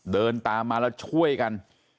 เดินตามมาแล้วช่วยกัน